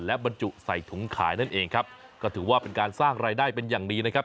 และบรรจุใส่ถุงขายนั่นเองครับก็ถือว่าเป็นการสร้างรายได้เป็นอย่างดีนะครับ